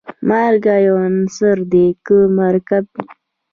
مالګه یو عنصر دی که مرکب.